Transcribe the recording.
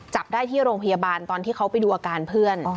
จับได้ที่โรงพยาบาลตอนที่เขาไปดูอาการเพื่อน